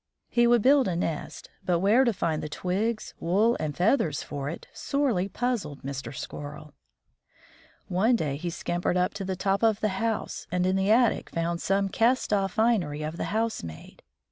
He would build a nest, but where to find the twigs, wool, and feathers for it sorely puzzled Mr. Squirrel. One day he scampered up to the top of the house, and in the attic found some cast off finery of the housemaid.